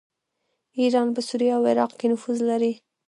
ایران په سوریه او عراق کې نفوذ لري.